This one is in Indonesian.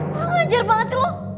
lo ngajar banget sih lo